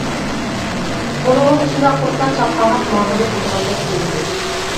ئۇنىڭغا مۇشۇنداق قىلسا چاققانراق ماڭغىلى بولىدىغاندەك تۇيۇلدى.